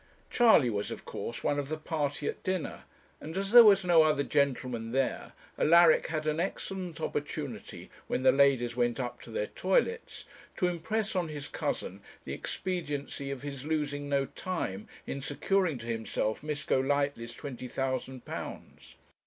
Charley was, of course, one of the party at dinner; and as there was no other gentleman there, Alaric had an excellent opportunity, when the ladies went up to their toilets, to impress on his cousin the expediency of his losing no time in securing to himself Miss Golightly's twenty thousand pounds.